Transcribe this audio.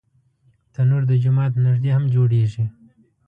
تنور د جومات نږدې هم جوړېږي